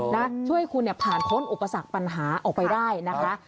นะช่วยให้คุณเนี่ยผ่านพ้นอุปสรรคปัญหาออกไปได้นะคะ